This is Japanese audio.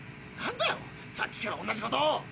なんだよさっきから同じことを！